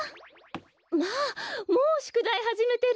まあもうしゅくだいはじめてる。